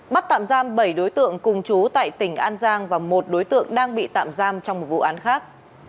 bắt tạm giam bảy đối tượng cùng chú tại tỉnh an giang và một đối tượng đang bị tạm giam trong một vụ án khác